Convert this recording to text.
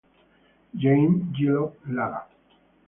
Jaime Guillot Lara